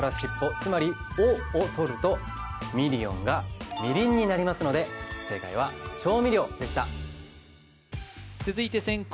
つまり尾を取るとミリオンがみりんになりますので正解は調味料でした続いて先攻